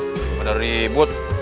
gak ada ribut